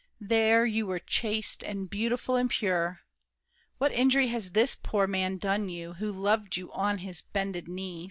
There you were chaste and beautiful and pure! What injury has this poor man done you, Who loved you on his bended knees?